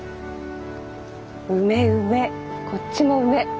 梅梅こっちも梅。